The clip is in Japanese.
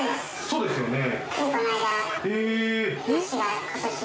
そうですよね。